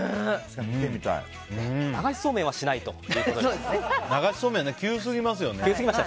流しそうめんはしないということでした。